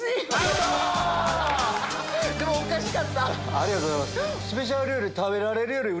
ありがとうございます。